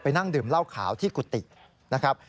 นั่งดื่มเหล้าขาวที่กุฏินะครับ